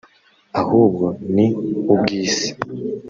ahubwo ni ubw’isi